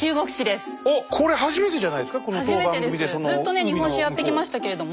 ずっとね日本史やってきましたけれども。